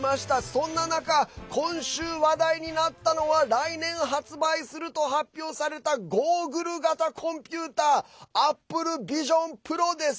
そんな中、今週話題になったのは来年発売すると発表されたゴーグル型コンピューターＡｐｐｌｅＶｉｓｉｏｎＰｒｏです。